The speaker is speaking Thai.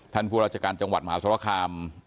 ท่านภูราษการจังหวัดมหาศรวคาม